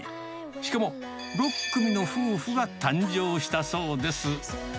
しかも６組の夫婦が誕生したそうです。